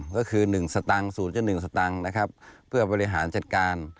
ก็คือ๑สตางค์๐๑สตางค์นะครับเพื่อบริหารจัดการ